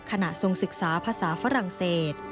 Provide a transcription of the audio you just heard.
ทรงศึกษาภาษาฝรั่งเศส